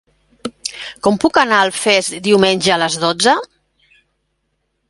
Com puc anar a Alfés diumenge a les dotze?